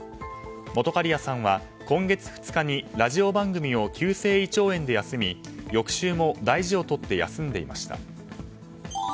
本仮屋さんは今月２日にラジオ番組を急性胃腸炎で休み翌週も大事を取って休んでいました。